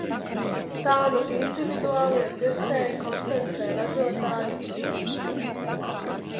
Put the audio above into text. Tā nu individuālie pircēji kompensē ražotāju iztrūkumu.